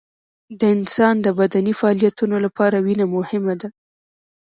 د انسان د بدني فعالیتونو لپاره وینه مهمه ده